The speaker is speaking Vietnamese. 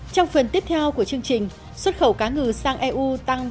trong phần tiếp theo của chương trình xuất khẩu cá ngừ sang eu tăng ba mươi hai